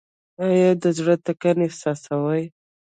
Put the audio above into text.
ایا د زړه ټکان احساسوئ؟